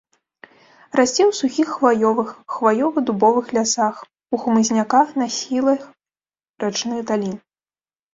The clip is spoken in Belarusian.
Расце ў сухіх хваёвых, хваёва-дубовых лясах, у хмызняках на схілах рачных далін.